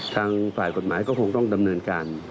ทางฝ่ายกฎหมายก็คงต้องดำเนินการ